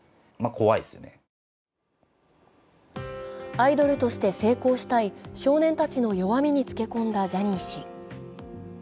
アイドルとして成功したい少年たちの弱みにつけ込んだジャニー氏。